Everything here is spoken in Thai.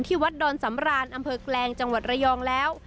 วัดดอนสำรานอำเภอแกลงจังหวัดระยองแล้ว